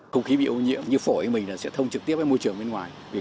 không khí bị ô nhiễm như phổi mình sẽ thông trực tiếp với môi trường bên ngoài